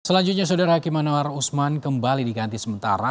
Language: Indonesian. selanjutnya saudara hakim anwar usman kembali diganti sementara